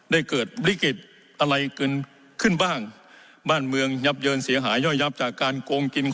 เกิดวิกฤตอะไรเกินขึ้นบ้างบ้านเมืองยับเยินเสียหายย่อยยับจากการโกงกิน